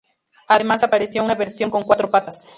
Además apareció una versión con cuatro patas.